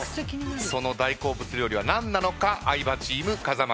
その大好物料理は何なのか相葉チーム風間チーム